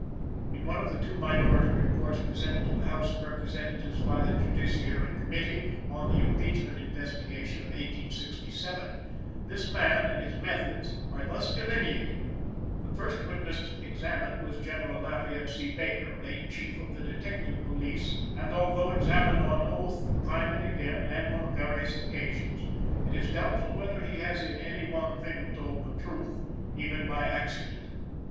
In one of the two minority reports presented to the House of Representatives by the Judiciary Committee, on the Impeachment Investigation of 1867, this man and his methods are thus delineated: "The first witness examined was General Lafayette C. Baker, late chief of the detective police, and although examined on oath, time and again, and on various occasions, it is doubtful whether he has in any one thing told the truth, even by accident.